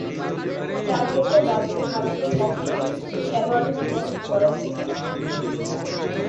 চার বছর বাদে ভারতের পক্ষে খেলোয়াড়ী জীবন শুরু করেন তিনি।